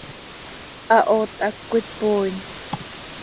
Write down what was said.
¿Hahoot hac cöitpooin?